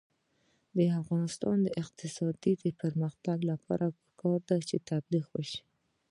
د افغانستان د اقتصادي پرمختګ لپاره پکار ده چې تبلیغات وشي.